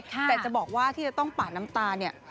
แต่จะบอกว่าที่จะต้องปาดน้ำตาเนี่ย